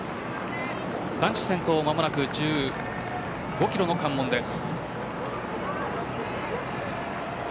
男子先頭は間もなく１５キロの関門です。